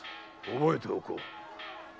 覚えておこう。